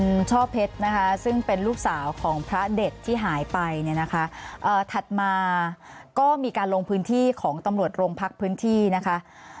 คุณช่อเพชรนะคะซึ่งเป็นลูกสาวของพระเด็ดที่หายไปเนี่ยนะคะถัดมาก็มีการลงพื้นที่ของตำรวจโรงพักพื้นที่นะคะ